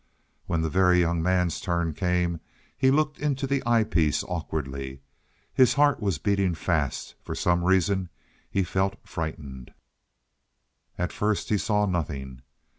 When the Very Young Man's turn came he looked into the eyepiece awkwardly. His heart was beating fast; for some reason he felt frightened. At first he saw nothing.